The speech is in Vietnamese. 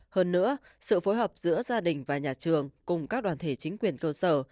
hơn nữa sự phối hợp giữa gia đình và nhà trường cùng các đoàn thể chính quyền cơ sở